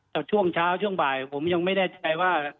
แต่ช่วงเช้าช่วงบ่ายผมยังไม่แน่ใจว่า